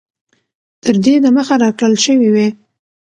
تر دې د مخه را كړل شوي وې